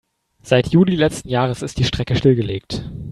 Seit Juli letzten Jahres ist die Strecke stillgelegt.